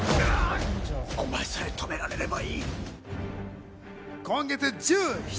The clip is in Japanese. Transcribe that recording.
お前さえ、止められればいい。